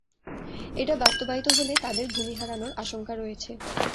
এটা বাস্তবায়িত হলে তাঁদের ভূমি হারানোর আশঙ্কা রয়েছে।